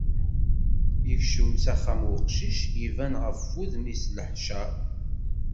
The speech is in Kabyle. Yekcem s axxam uqcic, iban ɣef wudem-is leḥcer.